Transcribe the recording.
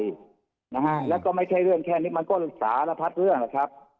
นะฮะแล้วก็ไม่ใช่เรื่องแค่นี้มันก็สารพัดเรื่องแหละครับ